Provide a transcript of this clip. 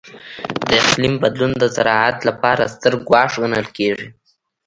د اقلیم بدلون د زراعت لپاره ستر ګواښ ګڼل کېږي.